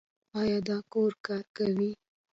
ایا د کور کار کوي؟